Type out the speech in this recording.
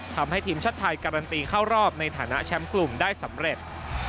ทำให้ทีมชาติไทยการันตีเข้ารอบในฐานะแชมป์กลุ่มได้สำเร็จ